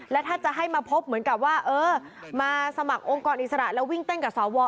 แล้วถ้าจะให้มาพบเหมือนกับว่าเออมาสมัครองค์กรอิสระแล้ววิ่งเต้นกับสว